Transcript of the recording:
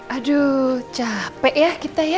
aduh capek ya kita ya